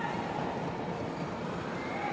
สวัสดีทุกคน